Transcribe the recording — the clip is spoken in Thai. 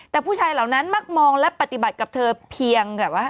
แต่ผู้ชายเหล่านั้นมักมองและปฏิบัติกับเธอเพียงแต่ว่า